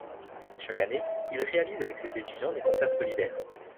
Chaque année, il réalise avec ses étudiants des concerts solidaires.